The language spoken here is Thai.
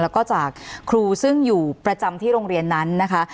แล้วก็จากครูซึ่งอยู่ประจำที่โรงเรียนนั้นนะคะ